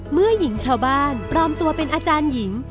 เมื่อหญิงชาวบ้านปลอมตัวเป็นอาจารย์หญิง